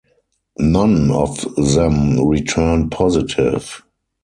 None of them returned positive.